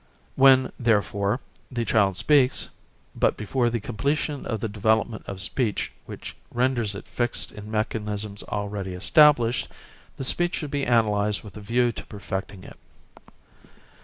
When, therefore, the child speaks, but before the completion of the development of speech which renders it fixed in mechanisms already established, the speech should be analysed with a view to perfecting it.